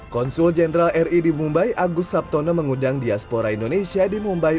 konsul jenderal ri di mumbai agus sabtono mengundang diaspora indonesia di mumbai